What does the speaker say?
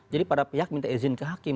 jadi para pihak minta izin ke hakim